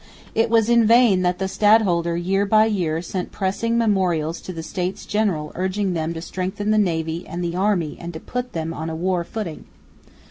It was in vain that the stadholder, year by year, sent pressing memorials to the States General urging them to strengthen the navy and the army and to put them on a war footing.